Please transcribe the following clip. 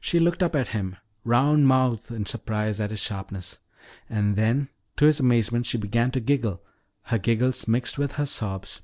She looked up at him, round mouthed in surprise at his sharpness. And then to his amazement she began to giggle, her giggles mixed with her sobs.